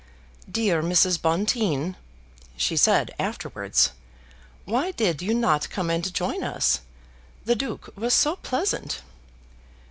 "Dear Mrs. Bonteen," she said afterwards, "why did you not come and join us? The Duke was so pleasant."